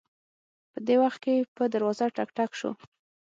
په دې وخت کې په دروازه ټک ټک شو